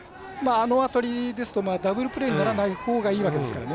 あの当たりですとダブルプレーにならないほうがいいわけですからね。